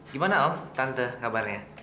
gimana om tante kabarnya